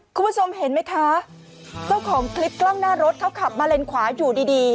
คุณผู้ชมเห็นไหมคะเจ้าของคลิปกล้องหน้ารถเขาขับมาเลนขวาอยู่ดีดี